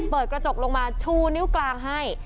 เปิดกระจกลงมาชูนิ้วกลางให้